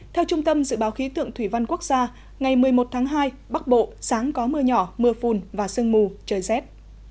theo trung tâm dự báo khí tượng thủy văn quốc gia ngày một mươi một tháng hai bắc bộ sáng có mưa nhỏ mưa phùn và sương mù trời rét